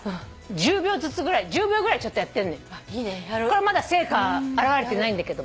これもまだ成果表れてないんだけども。